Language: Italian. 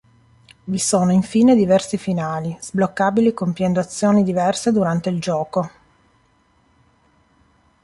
Vi sono infine diversi finali, sbloccabili compiendo azioni diverse durante il gioco.